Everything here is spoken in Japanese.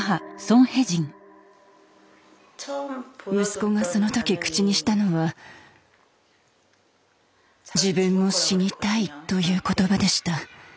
息子がその時口にしたのは「自分も死にたい」という言葉でした。